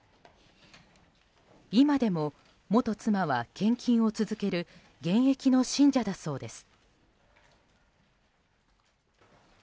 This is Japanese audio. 今でも、元妻は献金を続ける現役の信者だそうです。